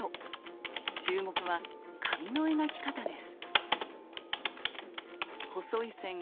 注目は髪の描き方です。